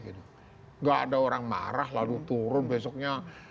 tidak ada orang marah lalu turun besoknya